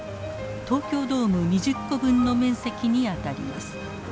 東京ドーム２０個分の面積にあたります。